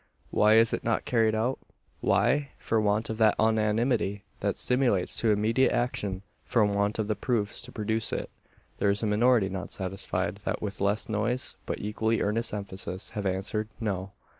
Why is it not carried out? Why? For want of that unanimity, that stimulates to immediate action for want of the proofs to produce it. There is a minority not satisfied that with less noise, but equally earnest emphasis, have answered "No."